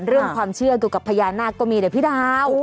เรื่องความเชื่อเกี่ยวกับพญานาคก็มีแต่พี่ดาว